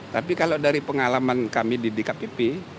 tapi kalau dari pengalaman kami di dkpp